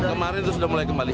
kemarin itu sudah mulai kembali